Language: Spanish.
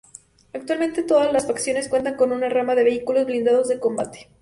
Actualmente todas las facciones cuentan con una rama de vehículos blindados de combate.